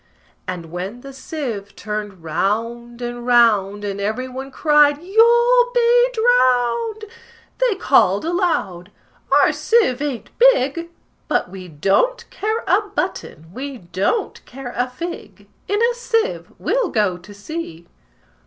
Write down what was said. And when the sieve turned round and round, And every one cried, "You'll all be drowned!" They called aloud, "Our sieve ain't big; But we don't care a button, we don't care a fig: In a sieve we'll go to sea!"